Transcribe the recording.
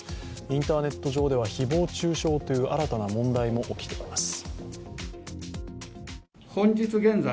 インターネット上では誹謗中傷という新たな問題も起きています。